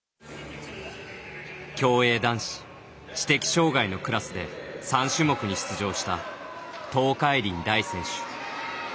競泳男子知的障がいのクラスで３種目に出場した東海林大選手。